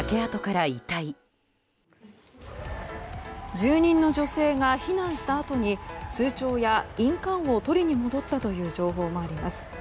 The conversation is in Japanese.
住人の女性が避難したあとに通帳や印鑑を取りに戻ったという情報もあります。